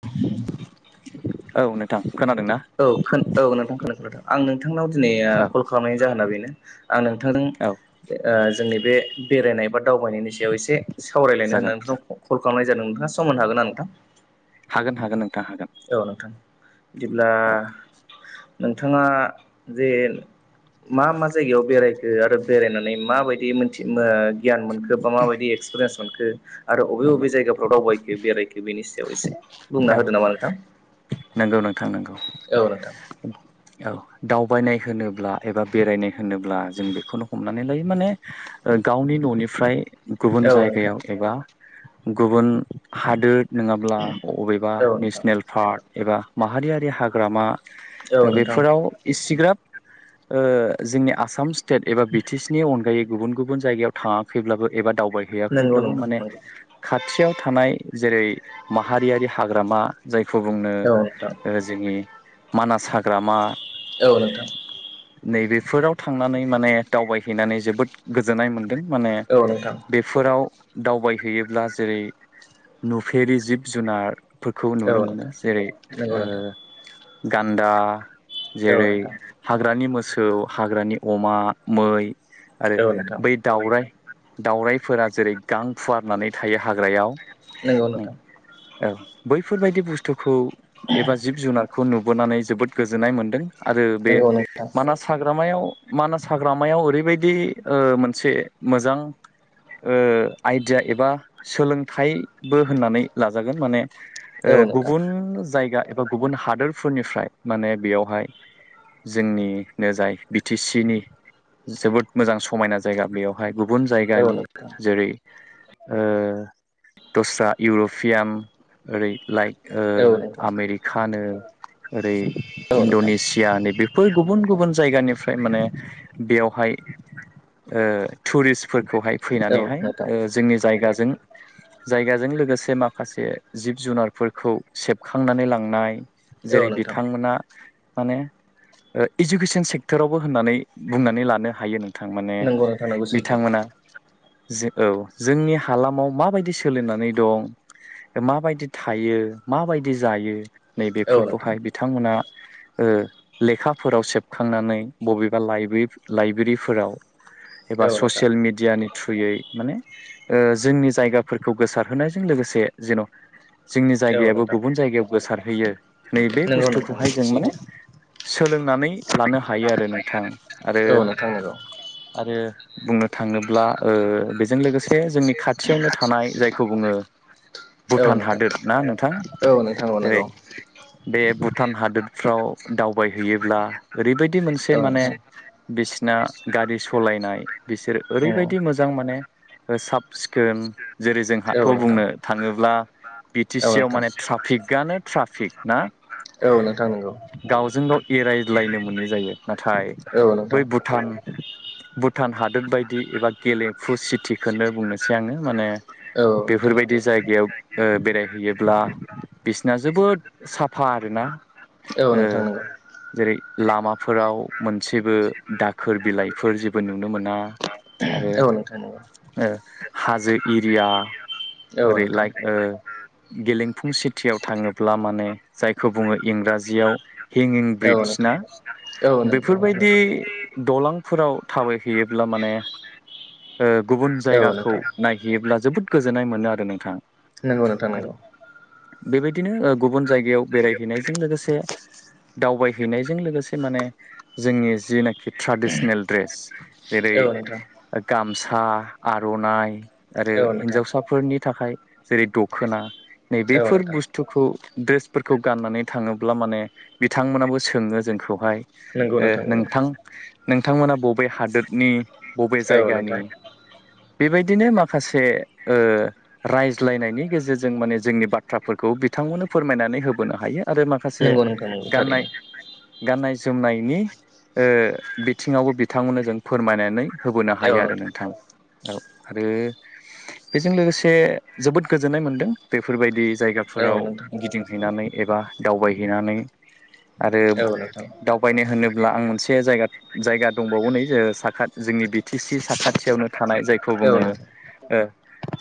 [inaudible] औ नोंथां खोनादों ना औ खोन औ नोंथां [unintelligible] आं नोंथांनाव दिनै औ कल खालामनायनि जाहोना बेनो आं नोंथांजों औ ओ जोंनि बे बेरायनाय बा दावबायनायनि सायाव एसे सावरायलायनो जागोन होननानै नोंथांखौ कल खालामनाय जादों नोंथाङा सम होनो हागोन ना नोंथां हागोन हागोन नोंथां होगोन औ नोंथां बिदिब्ला नोंथाङा जे मा मा जायगायाव बेरायखो आरो बेरायनानै माबायदि मोनथि ओ गियान मोनखो बा माबायदि एक्सपिरियेन्स मोनखो आरो बबे नंगौ बबे जायगाफ्राव दावबायखो बेरायखो बेनि सायाव एसे बुंना औ होदो नामा नोंथां नंगौ नोंथां नंगौ औ नोंथां औ दावबायनाय होनोब्ला एबा बेरायनाय होनोब्ला जों बेखौनो हमनानै लायो माने गावनि ननिफ्राय गुबुन औ नोंथां जायगायाव एबा गुबुन हादोर नङाब्ला अबेबा औ नोंथां नेसनेल पार्क एबा माहारियारि हाग्रामा औ नोंथां बेफोराव इसिग्राब ओ जोंनि आसाम स्टेट एबा बि टि सि नि अनगायै गुबुन गुबुन जायगायाव थाङाखैब्लाबो एबा नंगौ दावबायहैयाखैब्लाबो नोंथां माने नंगौ खाथियाव थानाय जेरै माहारियारि हाग्रामा [unintelligible] ओ औ नोंथां जोंनि मानास हाग्रामा औ नोंथां नैबेफोराव थांनानै माने दावबायहैनानै जोबोद गोजोननाय मोन्दों माने औ नोंथां बेफोराव दावबाय हैयोब्ला जेरै नुफेरि जिब जुनार फोरखौ औ नुनो मोनो नोंथां जेरै नंगौ ओ नोंथां गान्दा औ जेरै नोंथां हाग्रानि मोसौ हाग्रानि अमा मै आरो औ नोंथां बै दाउराइ दाउराइफोरा जेरै गां फुवारनानै थायो हाग्रायाव नंगौ नोंथां औ बैफोरबायदि बुस्थुखौ एबा जिब जुनारखौ नुबोनानै जोबोद गोजोननाय मोन्दों आरो बे नंगौ नोंथां मानास हाग्रामायाव मानास हाग्रामायाव ओरैबायदि ओ मोनसे मोजां ओ आइडिया एबा सोलोंथाइबो होननानै लाजागोन माने ओ औ नोंथां गुबुन जायगा एबा गुबुन हादोरफोरनिफ्राय माने बेयावहाय जोंनिनो जाय बि टि सि नि जोबोद मोजां समायना जायगा बेयावहाय गुबुन औ जायगानि नोंथां जेरै ओ दस्रा इउरपियान ओरै लाइक औ नोंथां औ ओ नोंथां आमेरिकानो ओरै इणडनेसियानि बेफोर गुबुन गुबुन जायगानि फ्राय माने बेयावहाय ओ टुरिस्टफोरखौहाय औ फैनानैहाय नोंथां ओ जोंनि जायगाजों जायगाजों लोगोसे माखासे जिब जुनारफोरखौ सेबखांनानै लांनाय औ जेरै नोंथां बिथांमोना माने ओ इडुकेसन सेक्टरावबो होननानै बुंनानै लानो हायो नों थां माने नंगौ नोंथां नंगौ सैथो बिथांमोना जे औ जोंनि हालामाव माबायदि सोलिनानै दं। माबायदि थायो माबायदि जायो औ नोंथां नैबेफोरखौहाय बिथांमोना। ओ लेखाफोराव सेबखांनानै बबेबा लाइब्रिब लाइब्रिफोराव। एबा औ नोंथां औ नोंथां ससियेल मिडियानि थुयै। माने ओ जोंनि जायगाफोरखौ गोसारहोनायजों लोगोसे जेन' जोंनि जायगायाबो गुबुन जायगायाव गोसारहैयो नैबे नंगौ नोंथां बुस्थुखौहाय नंगौ जों माने सैथो सोलोंनानै लानो हायो आरो नोंथां औ नोंथां नंगौ आरो-आरो बुंनो थाङोब्ला बेजों लोगोसे जोंनि खाथियावनो थानाय जायखौ बुङो औ भुटान नोंथां हादोर ना नोंथां औ नोंथां औ नंगौ जेरै बे भुटान हादोरफ्राव दावबायहैयोब्ला ओरैबायदि मोनसे औ माने नोंथां बिसिना गारि सलायनाय बिसोर ओरैबायदि मोजां माने। सिखोम जेरै- जोंहाथ' बुंनो थाङोब्ला। बि टि सि आव माने ट्राफिकआनो ट्राफिक ना? औ नोंथां नंगौ। गावजों गाव एरायज्लायनो मोनै जायो नाथाय औ बै नोंथां भुटान-भुटान हा दोद बायदि एबा गेलेमफु सिटिखौनो बुंनोसै आङो माने औ नोंथां बेफोरबायदि जायगायाव ओ बेरायहैयोब्ला बिसिना जोबोद साफा आरोना। औ नोंथां ओ नोंगौ। जेरै लामाफोराव मोनसेबो दाखोर बिलाइफोर जेबो नुनो मोना। आरो औ नोंथां नोंगौ। ओ हाजो एरिया ओरै लाइक ओ गेलेमफुं सिटियाव थाङोब्ला माने जायखौ बुङो इंराजियाव हेंयिं औ नोंथां औ नंगौ ब्रिडज नोंथां ना? बेफोरबायदि दलांफोराव थाबायहैयोब्ला माने ओ गुबुन औ जायगाखौ नोंथां नायहैयोब्ला जोबोद गोजोननाय मोनो आरो नोंथां। नोंगौ नोंथां आरो नोंगौ। बेबायदिनो ओ गुबुन जायगायाव बेरायहैनायजों लोगोसे दावबाय हैनायजों लोगोसे माने जोंनि जिना खि ट्रेडिसनेल ड्रेस औ नोंथां जेरै-गामसा, आरनाइ। आरो औ नोंथां हिन्जावसाफोरनि थाखाय जेरै- दखोना औ नैबेफोर नोंथां बुस्थुखौ। ड्रेसफोरखौ गाननानै थाङोब्ला माने बिथांमोनाबो सोङो जोंखौहाय। नंगौ ओ नोंथां नंगौ नोंथां-नोंथांमोना बबे हादोरनि बबे औ जायगानि? नोंथां बेबायदिनो माखासे ओ रायज्लायनायनि गेजेरजों माने जोंनि बाथ्राफोरखौ। बिथांमोननो फोरमायनानै होबोनो हायो आरो माखासे नंगौ नोंथां नंगौ गाननाय। थारैनो गाननाय-जोमनायनि ओ बिथिङावबो बिथांमोननो जों फोरमायनानै। होबोनो औ हायो आरो नों नोंथां औ आरो बेजों लोगोसे जोबोद गोजोननाय मोनदों बेफोरबायदि औ जायगाफोराव नोंथां गिदिंहैनानै एबा दावबायहैनानै। आरो औ नोंथां दावबायनो होनोब्ला आं मोनसे जायगा-जायगा दंबावो नै ओ साखा जोंनि बि टि सि साखाथियावनो थानाय जायखौ औ बुङो नोंथां ओ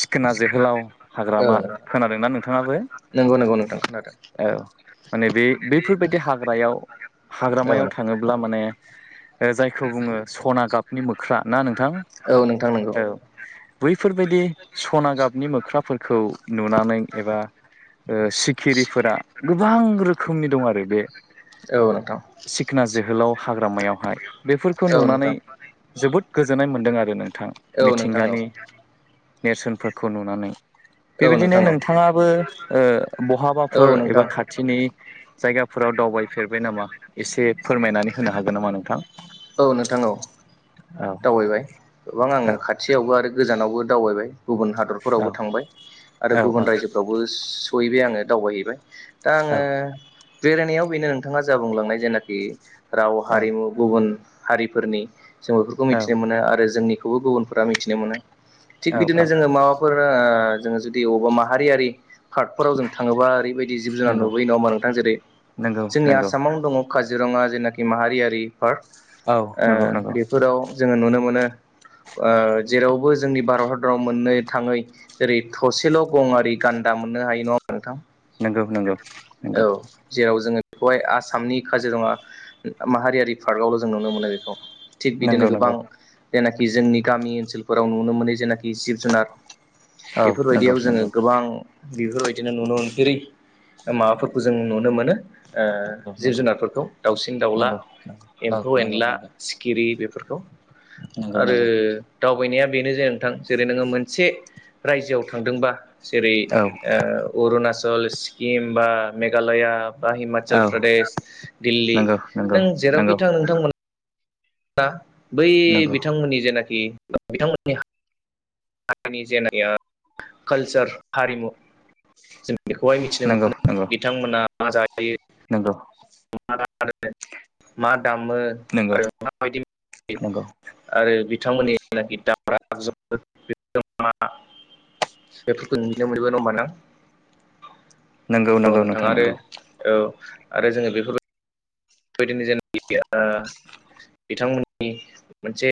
सिखोना जोहोलाव हाग्रामा खोनादोंना नोंथाङाबो? नोंगौ-नोंगौ-नोंथां खोनादों। औ माने बे बैफोरबायदि हाग्रायाव औ हाग्रामायाव नोंथां थाङोब्ला माने। जायखौ बुङो सना गाबनि मोख्रा ना नोंथां? औ नोंथां नंगौ। औ बैफोरबायदि सना गाबनि मोख्राफोरखौ नुनानै एबा ओ सिखिरिफोरा गोबां रोखोमनि दं आरो बे। औ नोंथां सिखना जोहोलाव हाग्रामायाव। हाय बेफोरखौ औ नुनानै नोंथां जोबोद गोजोननाय मोनदों आरो रो नोंथां औ नोंथां औ मिथिंगानि नेरसोनफोरखौ नुनानै औ नोंथां औ बेबायदिनो नोंथां नोंथाङाबो ओ बहाबाफोर एबा खाथिनि जायगाफोराव दावबायफेरबाय नामा एसे फोरमायनानै होनो हागोन नामा नोंथां? औ नोंथां औ औ दावबायबाय गोबां आङो औ खाथियावबो आरो गोजानावबो दावबायबाय गुबुन औ हादरफोरावबो थांबाय आरो औ गुबुन औ रायजोफ्रावबो सहैबाय आङो दावबायहैबाय दा आङो औ बेरायनायाव बेनो नोंथाङा जा बुंलांनाय जेनाखि राव हारिमु गुबुन हारिफोरनि जों बेफोरखौ औ औ मिथिनो मोनो आरो जोंनि खौबो गुबुनफोरा मिथिनो मोनो थिग औ बिदिनो औ जोङो माबाफोर ओ जोङो जुदि अबावबा माहारियारि पार्टफोराव जों थाङोबा ओरैबायदि जिब-जुनार नंगौ नुबोयो नङा ओमबा नोंथां । नंगौ जेरै-जोंनि नंगौ आसामावनो दङ काजिरङा जेनाखि माहारियारि पार्क औ नंगौ ओ नंगौ बेफोराव जोङो नुनो मोनो ओ जेरावबो जोंनि भारत हादराव मोननो थाङै जेरै थसेल' गंआरि गान्दा मोननो हायो नङा होमबा नोंथां नंगौ नंगौ नंगौ बहाय आसामनि काजिरङा माहारियारि पार्कआवल' जों नुनो मोनो बेखौ थिग बिदिनो नोंगौ गोबां नोंगौ जेनाखि जोंनि गामि ओन्सोलफोराव नुनो मोनै जेनाखि जिब-जुनार औ नंगौ बेफोरबायदियाव जोङो नंगौ गोबां बेफोरबायदिनो नुनो मोनफेरै माबाफोरखौ जों नुनो मोनो। ओ नंगौ जिब-जुनारफोरखौ दाउसिन-दाउला नंगौ नंगौ औ नंगौ नंगौ एम्फौ-एनला, सिखिरि बेफोरखौ नंगौ आरो नंगौ दावबायनाया बेनो जे नोंथां जेरै नोङो मोनसे राज्योआव थांदोंबा जेरै- औ ओ अरुणा आसल सिक्किम बा मेघालया बा हिमाचल औ प्रदेश दिल्ली नंगौ नंगौ नों नंगौ जेरावखि थां नोंथांमोन ना बै नंगौ बिथांमोननि जेनाखि बिथांमोननि हारिनि जनाया कालसार हारिमु जों बेखौहाय मिथिनो मोनो बिथांमोना मा जा नोंगौ [unintelligible] मा दामो नंगौ आरो माबायदि नंगौ आरो बिथांमोननि जनाखि दामग्रा आगजुफोर बिथांमोना [unintelligible] औ नंगौ नोंथां नोंथाङा आरो नंगौ औ आरो जोङो बेफोरबाय बायदिनो जेनाखि आ बिथांमोननि मोनसे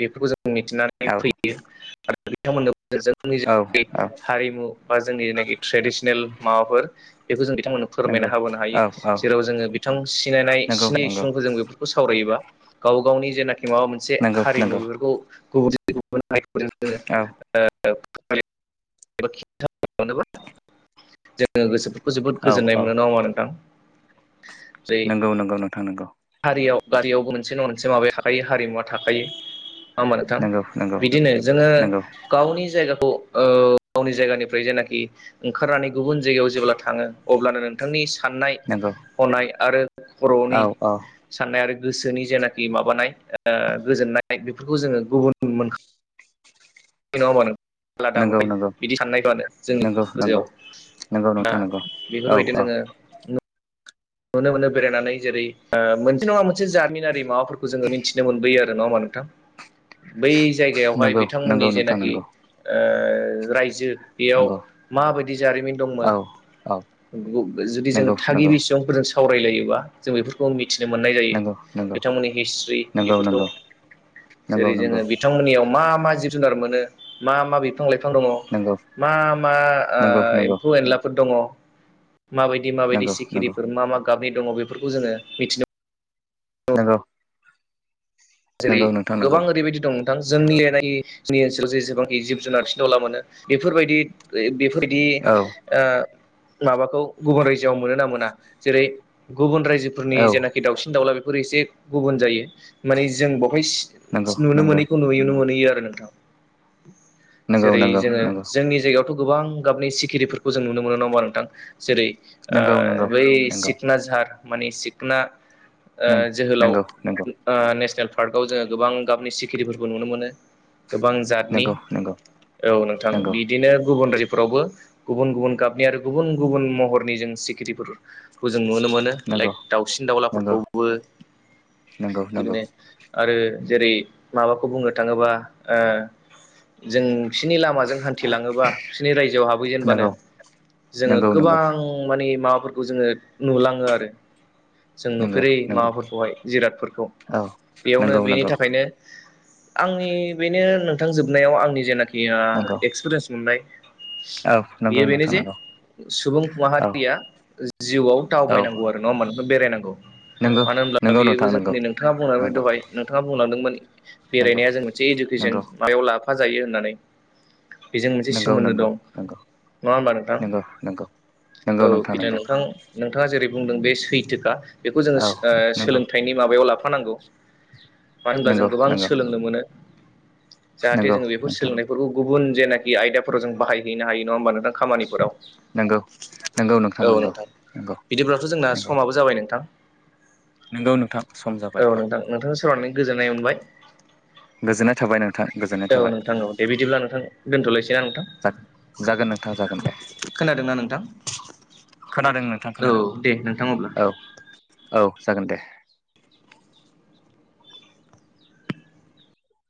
बेफोरखौ जों मिथिनानै औ फैयो आरो बिथांमोननो जोंनि औ जेनाखि औ हारिमु बा जोंनि जेनाखि ट्रेडिसनेल माबाफोर बेखौ जों बिथांमोन नों नंगौ फोरमायना हाबोनो हायो औ औ जेराव जोङो बिथां सिनायनाय नंगौ सिनि नंगौ सुबुंफोर जों बेफोरखौ सावरायोबा गाव गावनि जेनाखि माबा मोनसे नंगौ हारिमु नंगौ बेफोरखौ गुबन औ [unintelligible] [unintelligible] जोबोद औ गोजोन्नाय औ मोनो नङा होनबा नोंथां जेरै नंगौ नोंगौ नोंथां नंगौ हारियाव गारियावबो मोनसे नङा मोनसे माबाया थाखायो हारिमुवा थाखायो नङा होनबा नोथां नंगौ नंगौ बिदिनो जोङो नंगौ गावनि जायगाखौ ओ गावनि जायगानिफ्राय जेनाखि ओंखारनानै गुबुन जायगायाव जेब्ला थाङो अब्लानो नोंथांनि साननाय नंगौ हनाय आरो औ खर'नि औ साननाय आरो गोसोनि जेनाखि माबानाय ओ गोजोननाय बेफोरखौ जोङो गुबुन मोनखा नङा होनबा नोंथां आलादा मोन नंगौ नंगौ बिदि साननायखौनो जोंनि नंगौ नंगौ गोजोआव नंगौ दा नोंथां नंगौ औ औ बेफोरबायदिनो जोङो नुनो मोनो बेरायनानै जेरै ओ मोनसे नङा मोनसे जारिमिनारि माबाफोरखौ जोङो मिथिनो मोनबोयो आरो नङा होनबा नोंथां बै जायगायावहाय नंगौ नंगौ बिथांमोननि नोंथां जेनाखि नंगौ ओ रायजो बेयाव नंगौ माबायदि जारिमिन दंमोन औ औ जुदि जों नंगौ नंगौ थागिबि सुबुं सावरायलायोबा जों बेफोरखौ मिथिनो मोननाय जायो नंगौ नंगौ बिथांमोननि हिस्ट्रि नंगौ बेफोरखौ नंगौ नंगौ जेरै नंगौ जोङो बिथांमोननियाव मा मा जिब जुनार मोनो मा मा बिफ बिफां लाइफां दङ नंगौ मा मा आ नंगौ एम्फौ एनलाफोर दङ माबायदि माबायदि नंगौ नंगौ नंगौ सिखिरि गाबनि दङ बेफोरखौ जोङो मिथिनो मोनो नोंगौ जेरै गोबां ओरैबायदि दं [unintelligible] दि औ ओ माबाखौ गुबुन रायजोआव मोन ना मोना जेरै गुबुन रायजोफोरनि औ जेनाखि दाउसिन दाउला बेफोरो एसे गुबुन जायो मानि जों बवहाय नंगौ नुनो नंगौ मोनैखौ नुनो मोनहैयो आरो नोंथां नंगौ जेरै नंगौ जोङो जोंनि जायगायावथ' गोबां गाबनि सिखिरिफोरखौ जों नुनो मोनो नङाहोमबा नोंथां जेरै नंगौ नंगौ ओ बै नंगौ नंगौ सिखना जझार माने सिखना ओ नों जोहोलाव नंगौ ओनेसनेल पार्कआव जोङो गोबां गाबनि सिखिरिफोरखौ नुनो मोनो गोबां जातनि नंगौ नंगौ नंगौ औ नोंथां बिदिनो गुबुन रायजो फोरावबो गुबुन गुबुन गाबनि आरो गुबुन गुबुन महरनि जों सिखिरिफोर जों नुनो मोनो नंगौ लाइक दाउसिन नंगौ दाउलाफोरखौबो नंगौ नंगौ बिदिनो आरो जेरै माबाखौ बुंनो थाङोबा ओ जों बिसोरनि लामाजों हान्थिलाङोबा बिसोरनि रायजोआव हाबहैजेनबानो जोङो नंगौ नंगौ गोबां माने माबाफोरखौ जोङो नुलाङो आरो जों नंगौ नुफेरै माबाफोरखौहाय जिरादफोरखौ औ बेयावनो नंगौ बेनि नंगौ थाखायनो आंनि बेनो नोंथां जोबनायाव आंनि जेनाखि या नंगौ एक्सपिरियेन्स मोननाय औ नंगौ बेयो बेनो नोंथां जे नंगौ सुबुं औ माहारिया जिउआव औ दावबायनांगौ आरो नङा होमबा नोंथां बेरायनांगौ नंगौ मानो होनब्ला नंगौ बियोबो नोंथां नंगौ जोंनि नोंथाङा बुंलांनाय बादि नंगौ नोंथाङा बुंलांदोंमोन नंगौ बेरायनाया जों मोनसे इडुकेसन नंगौ मायाव लाफा जायो होननानै बेजों मोनसे नंगौ सोमोन्दो नंगौ दं नङा होमबा नोंथां? नंगौ नंगौ नंगौ औ बिदनो नंगौ नोंथां नोंथाङा जेरै बुंदों बेस सैथोखा बेखौ जोङो औ नंगौ सो-सोलोंथाइनि माबायाव लाफानांगौ। मानो होनब्ला जों नंगौ गोबां नंगौ सोलोंनो मोनो जाहाथे नंगौ जोङो बेफोर नोंथां सोलोंनायफोरखौ गुबुन जेनाख खि आयदाफोराव जों बाहायहैनो हायो नङा होमबा नोंथां खामानिफोराव नंगौ नंगौ औ नंगौ नोंथां नंगौ बिदिब्लाथ' जोंना समाबो जाबाय नोंथां। नोंगौ नोंथां। सम औ जाबाय नोंथां नोंथांजों सावरायनानै गोजोननाय मोनबाय। गोजोननाय थाबाय नोंथां गोजोननाय औ थाबाय नोंथां औ दे बिदिब्ला नोंथां दोनथ'लायसै। बिदिब्ला नोंथां जागोन नोंथां जागोन दे खोनादोंना नोंथां? खोनादों नोंथां औ खोनादों दे नोंथां अब्ला। औ औ जागोन दे।